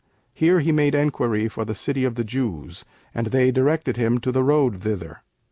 Here he made enquiry for the City of the Jews, and they directed him to the road thither.